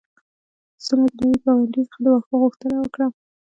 پسونو د نوي ګاونډي څخه د واښو غوښتنه وکړه.